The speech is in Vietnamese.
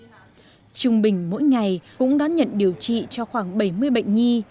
trung bình mỗi ngày cũng đón nhận điều trị cho khoảng bảy mươi bệnh nhi